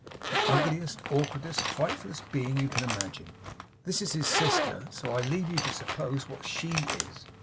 The ugliest, awkwardest frightfullest being, you can imagine. This is his sister, so I leave you to suppose what SHE is.